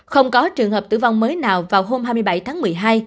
không có trường hợp tử vong mới nào vào hôm hai mươi bảy tháng một mươi hai